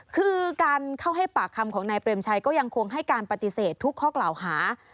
คือการเข้าให้ปากคำของนายเปรมชัยก็ยังคงให้การปฏิเสธทุกข้อกล่าวหา